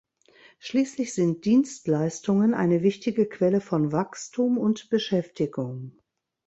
Schließlich sind Dienstleistungen eine wichtige Quelle von Wachstum und Beschäftigung.